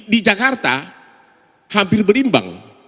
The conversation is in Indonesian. di jakarta hampir berimbang